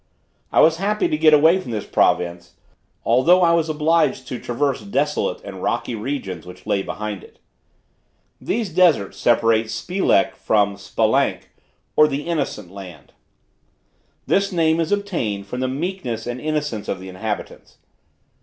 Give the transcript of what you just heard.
I was happy to get away from this province, although I was obliged to traverse desolate and rocky regions which lay beyond it. These deserts separate Spelek from Spalank, or the "Innocent Land." This name is obtained from the meekness and innocence of the inhabitants.